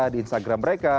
di instagram mereka